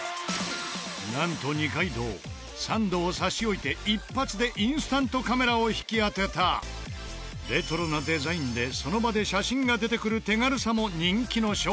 なんと二階堂サンドを差し置いて一発でレトロなデザインでその場で写真が出てくる手軽さも人気の商品。